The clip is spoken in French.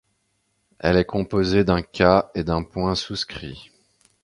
Elle est composée d’un kha et d’un point souscrit.